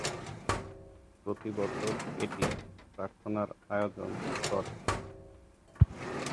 প্রতি বছর এটি প্রার্থনার আয়োজন করে।